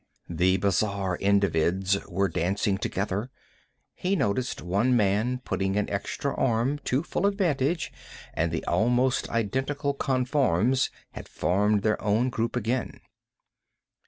The bizarre Individs were dancing together he noticed one man putting an extra arm to full advantage and the almost identical Conforms had formed their own group again.